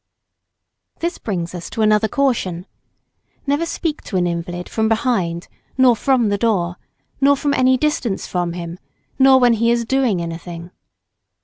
This brings us to another caution. Never speak to an invalid from behind, nor from the door, nor from any distance from him, nor when he is doing anything.